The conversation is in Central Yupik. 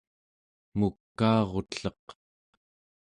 mukaarutleq